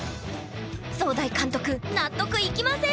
壮大監督納得いきません！